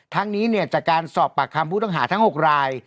ทั้งนี้จากการสอบปากคำผู้ต้องหาทั้ง๖ราย